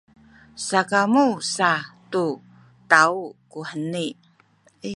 sakamu sa tu taw kuheni.